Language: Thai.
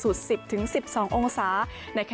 สวัสดีค่ะพบกับช่วงนี้สวัสดีค่ะ